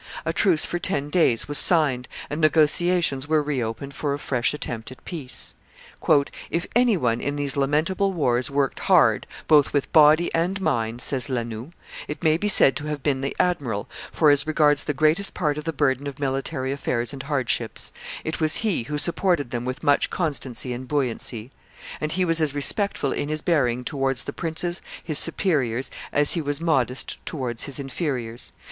A truce for ten days was signed, and negotiations were reopened for a fresh attempt at peace. "If any one, in these lamentable wars, worked hard, both with body and mind," says La Noue, "it may be said to have been the admiral, for, as regards the greatest part of the burden of military affairs and hardships, it was he who supported them with much constancy and buoyancy; and he was as respectful in his bearing towards the princes his superiors as he was modest towards his inferiors.